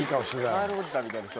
カールおじさんみたいな人。